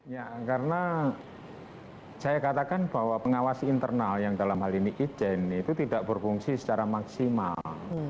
ya karena saya katakan bahwa pengawas internal yang dalam hal ini ijen itu tidak berfungsi secara maksimal